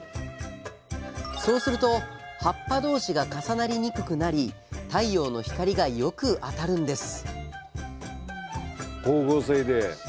そうすると葉っぱ同士が重なりにくくなり太陽の光がよく当たるんです